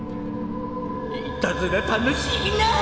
いたずら楽しいなぁ！